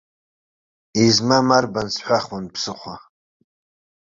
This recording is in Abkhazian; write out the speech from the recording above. Измам арбан, сҳәахуан, ԥсыхәа.